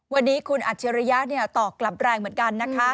วันนี้คุณอัจฉริยะตอบกลับแรงเหมือนกันนะคะ